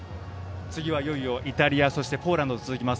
次はいよいよイタリアポーランドと続きます。